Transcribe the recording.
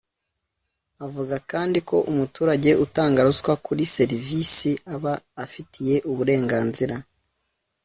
Avuga kandi ko umuturage utanga ruswa kuri serivisi aba afitiye uburenganzira